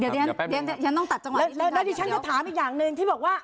เดี๋ยวฉันจะถามอีกอย่างหนึ่งที่บอกว่า